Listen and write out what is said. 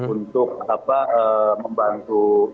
untuk apa membantu